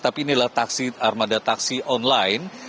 tapi inilah armada taksi online